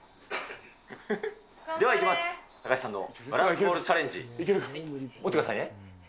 ではいきます、酒井さんのバランスボールチャレンジ、持ってくださいね。